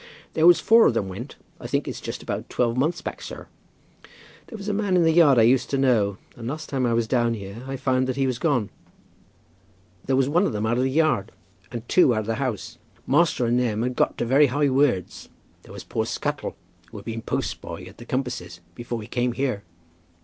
"There was four of them went, I think it's just about twelve months back, sir." "There was a man in the yard I used to know, and last time I was down here, I found that he was gone." "There was one of 'em out of the yard, and two out of the house. Master and them had got to very high words. There was poor Scuttle, who had been post boy at 'The Compasses' before he came here."